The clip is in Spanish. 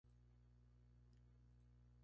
Era la segunda de tres hermanas.